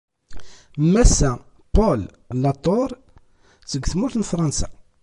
Massa Paule Latore seg tmurt n Fransa.